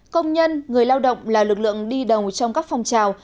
công nhân người lao động là lực lượng đi đầu trong các phong trào